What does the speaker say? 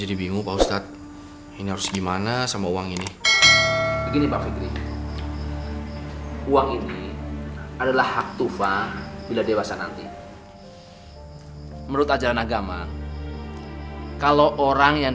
udah bagus aku panggilnya nak beduk bukan anak haram